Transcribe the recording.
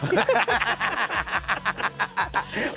โอ๊ย